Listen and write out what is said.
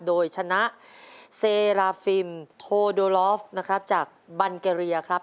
โดยชนะเซราฟิมโทดอลอฟจากบันเกรียครับ